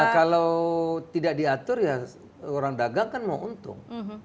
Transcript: kalau tidak diatur ya orang dagang kan mau untung